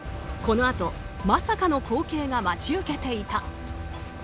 このあと、まさかの光景が待ち受けていた。